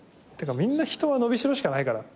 みんな人は伸びしろしかないから。